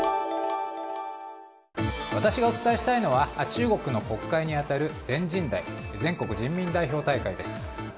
私がお伝えしたいのは中国の国会に当たる全人代・全国人民代表大会です。